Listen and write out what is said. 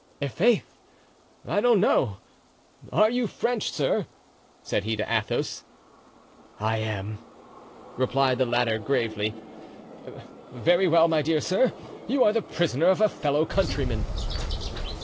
"I'faith, I don't know. Are you French, sir?" said he to Athos. "I am," replied the latter, gravely. "Very well, my dear sir, you are the prisoner of a fellow countryman."